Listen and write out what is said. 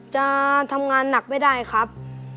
จะทำงานหนักไม่ได้ครับ